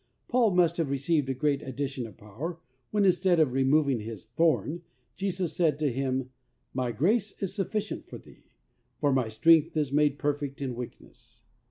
Paul must have received a great addition of power when, instead of removing his "thorn," Jesus said to him, "My grace is sufficient for thee, for My strength is made perfect in weakness."